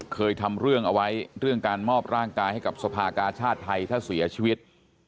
เคยทำเรื่องเอาไว้เรื่องการมอบร่างกายให้กับสภากาชาติไทยถ้าเสียชีวิต